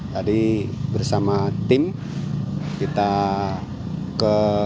tadi bersama tim kita ke